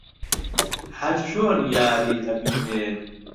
هەر چۆن یاری ئەبینێ